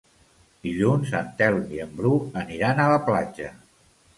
Dilluns en Telm i en Bru aniran a la platja.